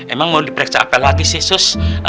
emang mau diperiksa apel hati sih sus